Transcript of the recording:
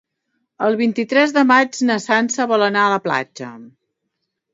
El vint-i-tres de maig na Sança vol anar a la platja.